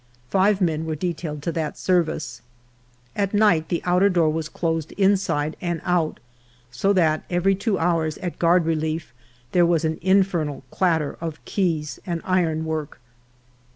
Five men were detailed to that service. At night the outer door was closed inside and out, so that every two hours at guard relief there was an infernal clatter of keys and iron work.